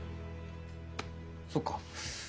そっか。